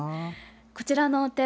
こちらのお寺